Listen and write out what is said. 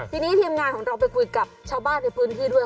ทีนี้ทีมงานของเราไปคุยกับชาวบ้านในพื้นที่ด้วย